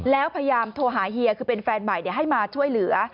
แล้วพยายามโทรหาเฮียคือเป็นแฟนใหม่ให้มาช่วยเหลือ